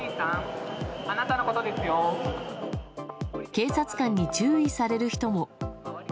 警察官に注意される人も。